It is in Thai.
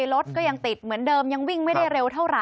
รถก็ยังติดเหมือนเดิมยังวิ่งไม่ได้เร็วเท่าไห